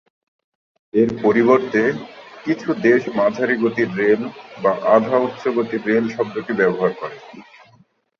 এর পরিবর্তে কিছু দেশ মাঝারি-গতির রেল, বা আধা-উচ্চ গতির রেল শব্দটি ব্যবহার করে।